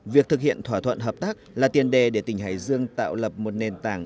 việc thực hiện thỏa thuận hợp tác là tiền đề để tỉnh hải dương tạo lập một nền tảng